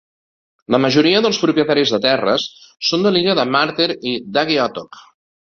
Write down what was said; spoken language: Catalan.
La majoria dels propietaris de terres són de l'illa de Murter i Dugi Otok.